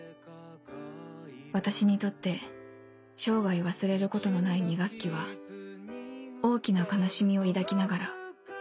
私にとって生涯忘れることのない２学期は大きな悲しみを抱きながら